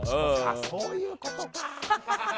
そういうことか。